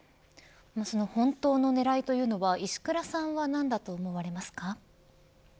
その本当の狙いというのは石倉さんは何だと思われますか。